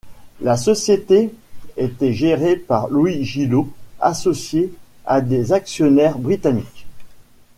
La société était gérée par Louis Gillot, associé à des actionnaires britanniques.